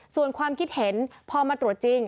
ส่วนความคิดเห็นพอมาตรวจจริง